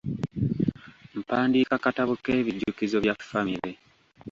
Mpandiika katabo k'ebijjukizo bya famire.